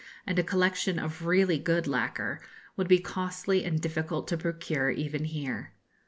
and a collection of really good lacquer would be costly and difficult to procure even here.